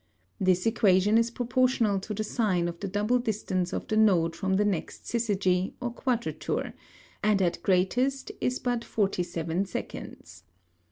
This Equation is proportional to the Sine of the double Distance of the Node from the next Syzygy, or Quadrature; and at greatest, is but 47 seconds.